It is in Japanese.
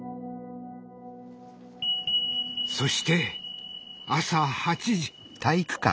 そして朝８時。